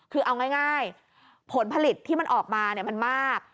คือเอาง่ายผลผลิตที่มันออกมามันมาก